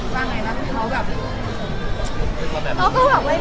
หรือว่าช้อนว่าไงนะเขาก็แบบ